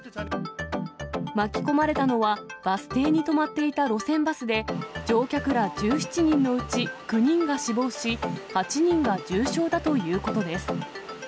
巻き込まれたのは、バス停に止まっていた路線バスで、乗客ら１７人のうち、９人が死亡し、８人が重傷だということです。